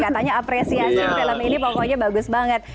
katanya apresiasi film ini pokoknya bagus banget